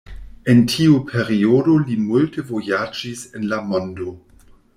En tiu periodo li multe vojaĝis en la mondo.